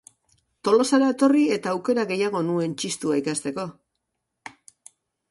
Tolosara etorri eta aukera gehiago nuen txistua ikasteko